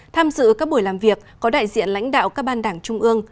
tham dự các buổi làm việc có đại diện lãnh đạo các ban đảng trung ương